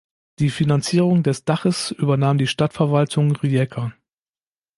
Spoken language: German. Die Finanzierung des Daches übernahm die Stadtverwaltung Rijeka.